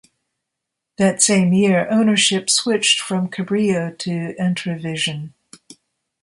That same year, ownership switched from Cabrillo to Entravision.